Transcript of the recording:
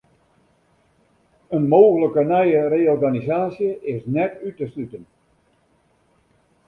In mooglike nije reorganisaasje is net út te sluten.